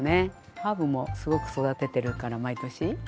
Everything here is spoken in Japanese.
ハーブもすごく育ててるから毎年。